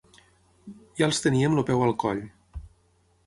Ja els teníem el peu al coll